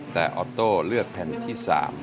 แต่ออโต้เลือกแผ่นที่๓